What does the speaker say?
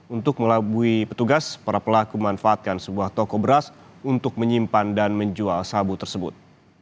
untuk melabui petugas para pelaku memanfaatkan sebuah toko beras untuk menyimpan dan menjual sabu tersebut